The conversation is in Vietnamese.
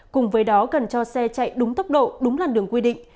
cùng với đó cần cho xe chạy đúng tốc độ đúng làn đường quy định